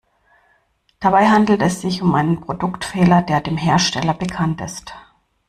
Dabei handelt es sich um einen Produktfehler, der dem Hersteller bekannt ist.